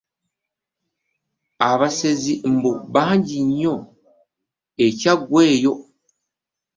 Abasezi mbu bangi nnyo e Kyaggwe eyo.